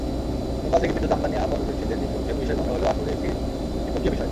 নেপাল থেকে বিদ্যুৎ আমদানি আপাতদৃষ্টিতে দ্বিপক্ষীয় বিষয় মনে হলেও আসলে এটি ত্রিপক্ষীয় বিষয়।